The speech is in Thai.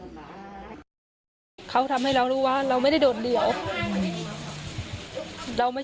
หลังจากผู้ชมไปฟังเสียงแม่น้องชมไปฟังเสียงแม่น้องชมไป